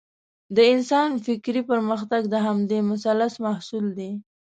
د انسان فکري پرمختګ د همدې مثلث محصول دی.